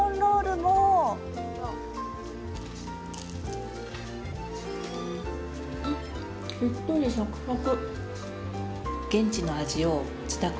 しっとりサクサク。